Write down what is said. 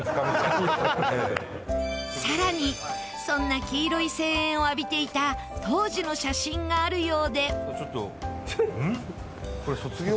更にそんな黄色い声援を浴びていた当時の写真があるようで。